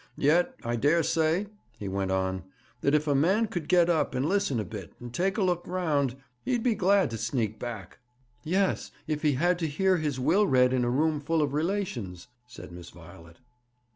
Yet, I dare say,' he went on, 'that if a man could get up and listen a bit, and take a look round, he'd be glad to sneak back.' 'Yes; if he had to hear his will read in a room full of relations,' said Miss Violet.